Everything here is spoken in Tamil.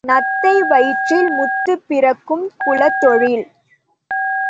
நத்தை வயிற்றில் முத்து பிறக்கும் குலத் தொழில்?